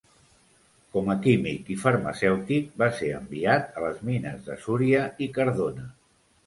Com a químic i farmacèutic, va ser enviat a les mines de Súria i Cardona.